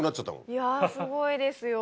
いやすごいですよ。